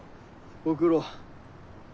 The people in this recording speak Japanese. ご苦労。